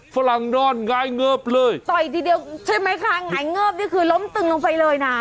ฝรั่งนอนหงายเงิบเลยต่อยทีเดียวใช่ไหมคะหงายเงิบนี่คือล้มตึงลงไปเลยนะ